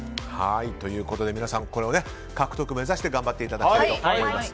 ということで皆さん獲得目指して頑張っていただきたいと思います。